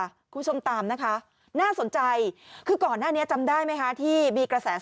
คุณผู้ชมตามนะคะน่าสนใจคือก่อนหน้านี้จำได้ไหมคะ